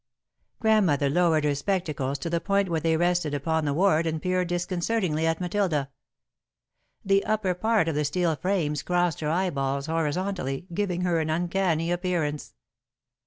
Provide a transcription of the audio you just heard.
Grandmother lowered her spectacles to the point where they rested upon the wart and peered disconcertingly at Matilda. The upper part of the steel frames crossed her eyeballs horizontally, giving her an uncanny appearance.